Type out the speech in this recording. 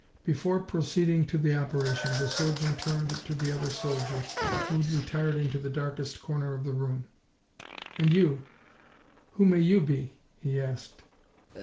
Before proceeding to the operation, the surgeon turned to the other soldier, who had retired into the darkest corner of the room. "And you, who may you be?" he asked.